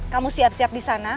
kamu siap siap disana